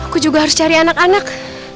kau mau nyari aurang